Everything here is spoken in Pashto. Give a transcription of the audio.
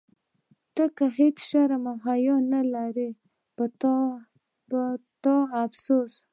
ته هیڅ شرم او حیا نه لرې، په تا افسوس.